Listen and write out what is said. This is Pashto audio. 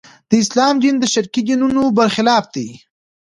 د اسلام دین د شرقي دینونو برخلاف دی.